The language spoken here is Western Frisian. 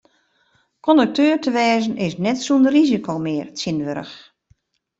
Kondukteur te wêzen is net sûnder risiko mear tsjintwurdich.